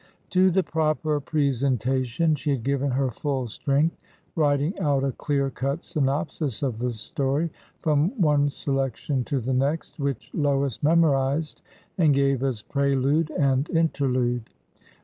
To the proper presentation she had given her full strength, writing out a clear cut synopsis of the story from one selection to the next, which Lois memorized and gave as prelude and interlude.